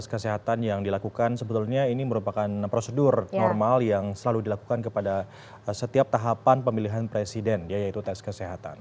tes kesehatan yang dilakukan sebetulnya ini merupakan prosedur normal yang selalu dilakukan kepada setiap tahapan pemilihan presiden yaitu tes kesehatan